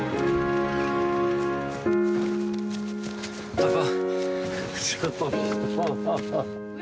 パパ。